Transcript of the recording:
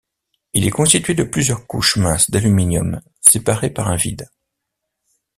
Il est constitué de plusieurs couches minces d'aluminium séparées par un vide.